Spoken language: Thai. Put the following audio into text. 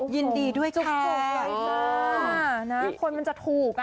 ยินดีด้วยค่ะโอ้โหจะถูกเลยค่ะคนมันจะถูกอ่ะ